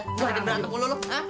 nggak akan berantem lu loh